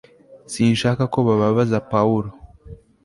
sinshaka ko bababaza pawulo